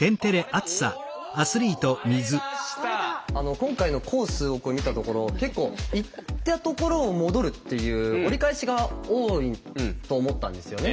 今回のコースを見たところ結構行ったところを戻るっていう折り返しが多いと思ったんですよね。